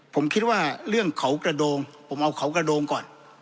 ผมคิดว่าเรื่องเขากระโดงผมเอาเขากระโดงก่อน